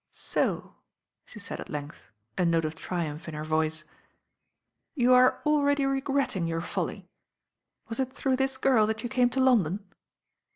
"So," she said at length, a note of triumph in her voice, "you are already regretting your folly. Was it through this girl that you came to London?"